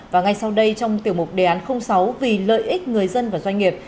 và ngay sau đây trong tiểu mục đề án sáu vì lợi ích người dân và doanh nghiệp